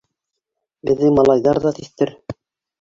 Беҙҙең малайҙар ҙа тиҫтер.